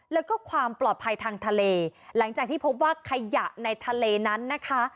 แล้วก็ความปลอดภัยทางทะเลหลังจากที่พบว่าขยะในทะเลนั้นนะคะ